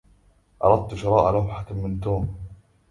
أردت شراء لوحة من توم.